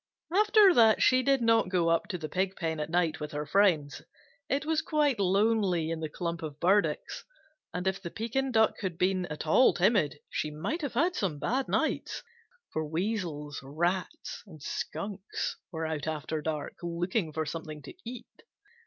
After that, she did not go up to the Pig pen at night with her friends. It was quite lonely in the clump of burdocks, and if the Pekin Duck had been at all timid she might have had some bad nights, for Weasels, Rats, and Skunks were out after dark, looking for something to eat.